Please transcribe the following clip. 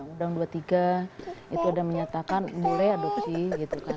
undang undang dua puluh tiga itu ada menyatakan boleh adopsi gitu kan